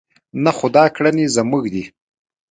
نه خو دا کړنې زموږ دي.